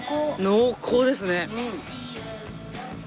濃厚ですね。